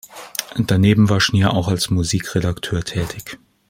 Daneben war Schnier auch als Musikredakteur tätig.